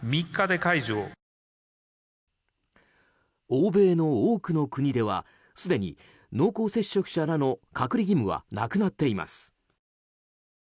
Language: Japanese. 欧米の多くの国ではすでに濃厚接触者らの隔離義務はなくなっています。